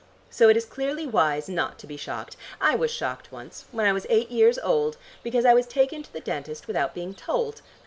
So it is clearly wise not to be shocked. I was shocked once, when I was eight years old, because I was taken to the dentist without being told.